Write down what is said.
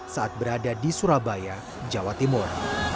saat berada di surabaya jawa timur